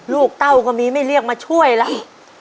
เต้าก็มีไม่เรียกมาช่วยแล้ว